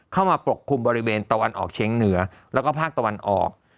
ปกคลุมบริเวณตะวันออกเชียงเหนือแล้วก็ภาคตะวันออก